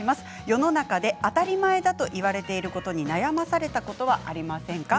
世の中で当たり前だと言われていることに悩まされたことはありませんか。